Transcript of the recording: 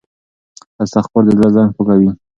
استغفار د زړه زنګ پاکوي.